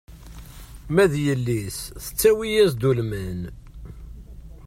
Ma d yelli-s tettawi-as-d ulman.